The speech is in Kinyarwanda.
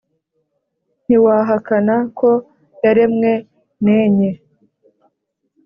ntiwahakana ko yaremwe n' enye